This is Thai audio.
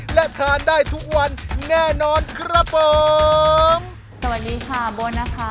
และทานได้ทุกวันแน่นอนครับผมสวัสดีค่ะโบนะคะ